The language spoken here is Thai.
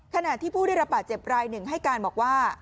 ขณะที่ผู้ได้รับบาดเจ็บรายหนึ่งให้การบอกว่า